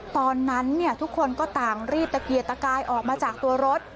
ตอนนั้นทุกคนก็ต่างรีบตะเกียดตะกายออกมาจากตัวรถ